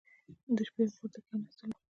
د شپې اور ته کښېنستلو.